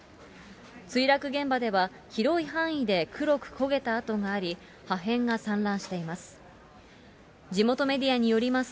墜落現場では、広い範囲で黒く焦げた跡があり、破片が散乱しています。